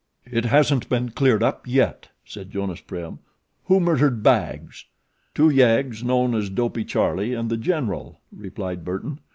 "It isn't all cleared up yet," said Jonas Prim. "Who murdered Baggs?" "Two yeggs known as Dopey Charlie and the General," replied Burton.